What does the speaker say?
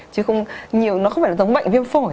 chứ không nhiều nó không phải là giống bệnh viêm phổi